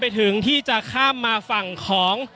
อย่างที่บอกไปว่าเรายังยึดในเรื่องของข้อ